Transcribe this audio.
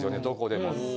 どこでも。